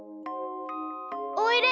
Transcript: おいで！